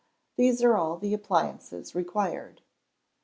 These are all the appliances required.